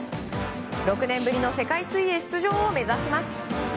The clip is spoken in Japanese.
６年ぶりの世界水泳出場を目指します。